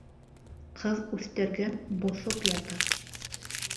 Ҡыҙ үҫтергән боҫоп ятыр.